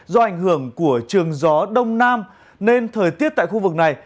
do ảnh hưởng của trường gió đông nam nên thời tiết tại khu vực này